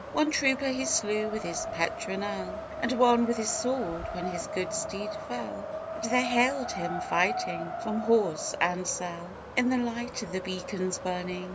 One trooper he slew with his petronel, And one with his sword when his good steed fell, And they haled him, fighting, from horse and sell In the light of the beacon's burning.